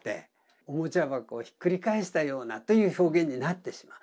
「おもちゃ箱をひっくり返したよう」という表現になってしまう。